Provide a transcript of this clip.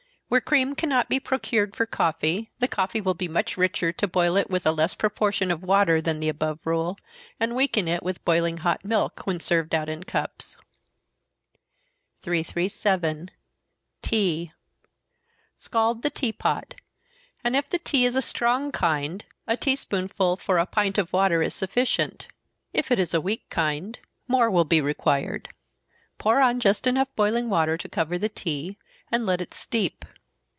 Where cream cannot be procured for coffee, the coffee will be much richer to boil it with a less proportion of water than the above rule, and weaken it with boiling hot milk, when served out in cups. 337. Tea. Scald the tea pot, and if the tea is a strong kind, a tea spoonful for a pint of water is sufficient if it is a weak kind, more will be required. Pour on just enough boiling water to cover the tea, and let it steep.